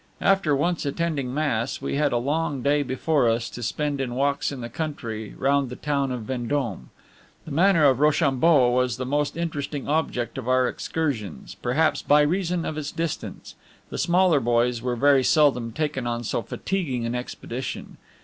After once attending Mass, we had a long day before us to spend in walks in the country round the town of Vendome. The manor of Rochambeau was the most interesting object of our excursions, perhaps by reason of its distance; the smaller boys were very seldom taken on so fatiguing an expedition.